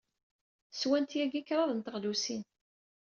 Swant yagi kraḍt n teɣlusin.